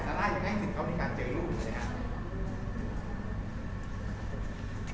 ซาร่าอยากให้ถึงเขาในการเจอลูกเลยค่ะ